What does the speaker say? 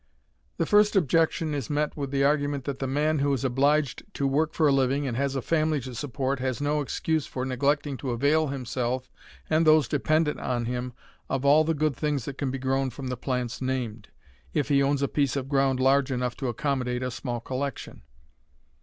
The first objection is met with the argument that the man who is obliged to work for a living, and has a family to support, has no excuse for neglecting to avail himself and those dependent on him of all the good things that can be grown from the plants named, if he owns a piece of ground large enough to accommodate a small collection.